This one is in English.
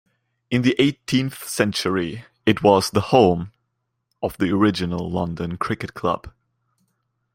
In the eighteenth century it was the home of the original London Cricket Club.